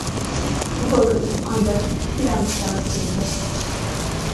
Bu bakış ancak bir an kadar sürdü.